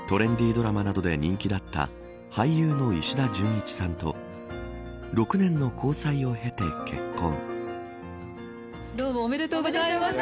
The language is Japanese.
ドラマなどで人気だった俳優の石田純一さんと６年の交際を経て結婚。